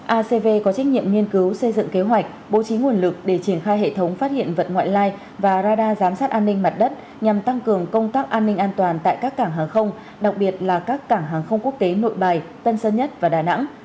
acv có trách nhiệm nghiên cứu xây dựng kế hoạch bố trí nguồn lực để triển khai hệ thống phát hiện vật ngoại lai và radar giám sát an ninh mặt đất nhằm tăng cường công tác an ninh an toàn tại các cảng hàng không đặc biệt là các cảng hàng không quốc tế nội bài tân sơn nhất và đà nẵng